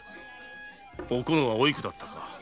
「おこの」は「おいく」だったか。